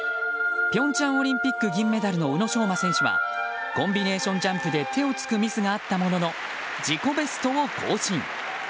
平昌オリンピック銀メダルの宇野昌磨選手はコンビネーションジャンプで手をつくミスがあったものの自己ベストを更新。